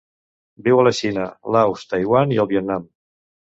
Viu a la Xina, Laos, Taiwan i el Vietnam.